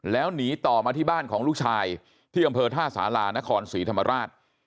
แล้วหนีต่อมาที่บ้านของลูกชายที่อำเภอท่าสารานครศรีธรรมราช